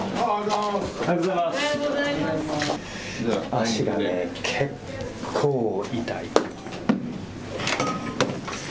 足がね、結構痛い。